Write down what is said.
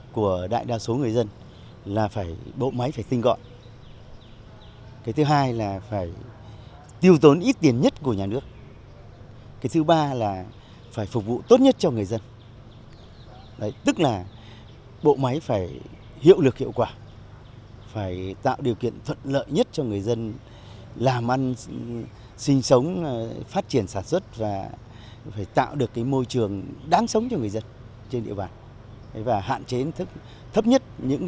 còn đảm nhiệm công việc chăm sóc các đối tượng chính sách